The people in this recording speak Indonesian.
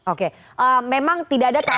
oke memang tidak ada kata